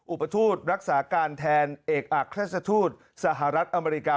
อุปทูตรักษาการแทนเอกอักราชทูตสหรัฐอเมริกา